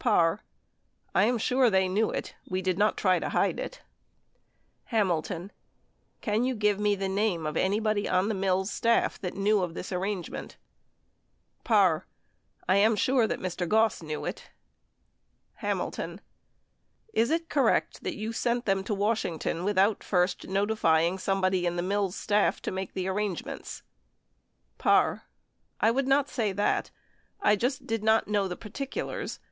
Parr. I am sure they knew it. We did not try to hide it. 35 687 O 74 59 912 Hamilton. Can yon give me the name of anybody on the Mills staff that knew of this arrangement ? Pare. I am sure that Mr. Goss knew it. Hamilton. ... is it correct ... that you sent them to Washington without first notifying somebody in the Mills staff to make the arrangements? Parr. I would not say that. I just did not know the par ticulars.